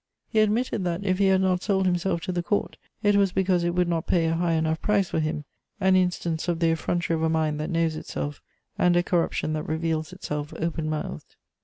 He admitted that, if he had not sold himself to the Court, it was because it would not pay a high enough price for him: an instance of the effrontery of a mind that knows itself and a corruption that reveals itself open mouthed.